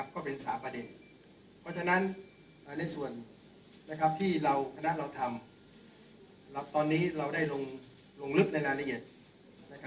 ก็เป็น๓ประเด็นเพราะฉะนั้นในส่วนที่คณะเราทำตอนนี้เราได้ลงลึกในรายละเอียด